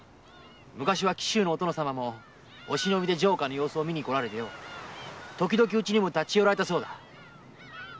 昔は紀州のお殿様もお忍びで城下を見にこられて時々うちにも立ち寄られたそうだ。